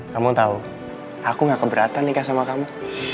kamu tau aku gak keberatan nikah sama kamu